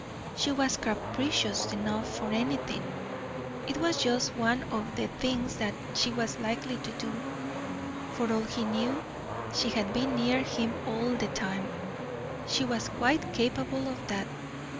She was capricious enough for anything it was just one of the things that she was likely to do. For all he knew, she had been near him all the time; she was quite capable of that.